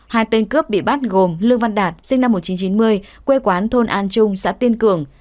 hai tên cướp bị bắt gồm lương văn đạt sinh năm một nghìn chín trăm chín mươi quê quán thôn an trung xã tiên cường